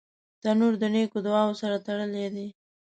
تنور د نیکو دعاوو سره تړلی دی